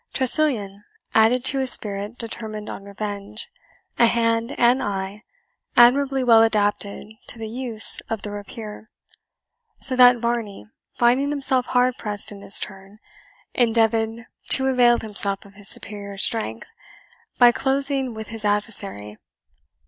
Tressilian added to a spirit determined on revenge a hand and eye admirably well adapted to the use of the rapier; so that Varney, finding himself hard pressed in his turn, endeavoured to avail himself of his superior strength by closing with his adversary.